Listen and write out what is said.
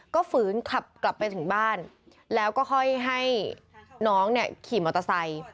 ก็ฝืนขับกลับไปถึงบ้านแล้วก็ค่อยให้น้องเนี่ยขี่มอเตอร์ไซค์